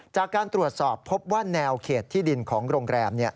จากการตรวจสอบพบว่าแนวเขตที่ดินของโรงแรม